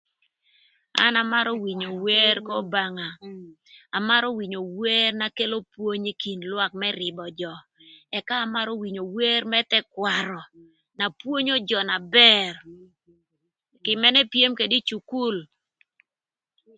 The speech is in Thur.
An amarö winyo wer k'Obanga, amarö winyo wer na kelo pwony ï kin lwak më rïbö jö ëka amarö winyo wer më thëkwarö na pwonyo jö na bër kï mënë epyem këdë ï cukul.